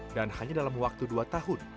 dan hanya dalam waktu dua tahun